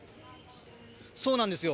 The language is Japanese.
そうなんですよ。